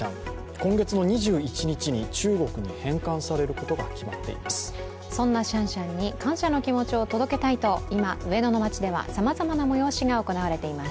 今月の２１日に中国に返還されることが決まっています。